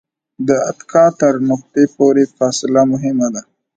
د اتکا تر نقطې پورې فاصله مهمه ده.